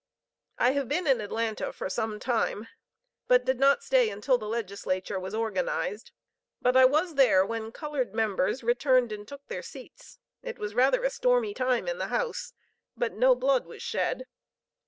I have been in Atlanta for some time, but did not stay until the Legislature was organized; but I was there when colored members returned and took their seats. It was rather a stormy time in the House; but no blood was shed.